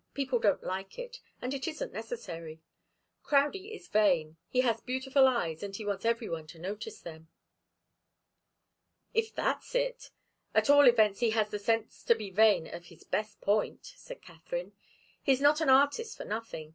People don't like it, and it isn't necessary. Crowdie is vain. He has beautiful eyes and he wants every one to notice them." "If that's it, at all events he has the sense to be vain of his best point," said Katharine. "He's not an artist for nothing.